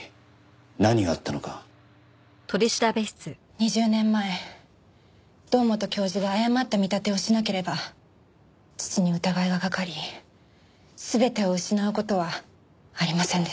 ２０年前堂本教授が誤った見立てをしなければ父に疑いがかかり全てを失う事はありませんでした。